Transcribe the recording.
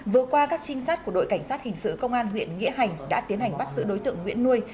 vừa qua các trinh sát của đội cảnh sát hình sự công an huyện nghĩa hành đã tiến hành bắt giữ đối tượng nguyễn nuôi